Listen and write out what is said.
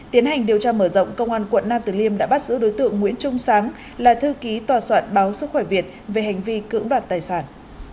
tiến hành điều tra mở rộng công an quận nam tử liêm đã bắt giữ đối tượng nguyễn trung sáng là thư ký tòa soạn báo sức khỏe việt về hành vi cưỡng đoạt tài sản